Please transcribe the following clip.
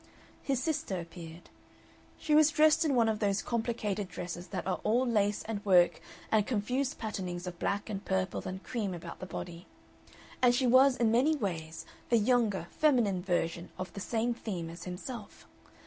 His sister appeared. She was dressed in one of those complicated dresses that are all lace and work and confused patternings of black and purple and cream about the body, and she was in many ways a younger feminine version of the same theme as himself.